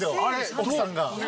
奥さんが。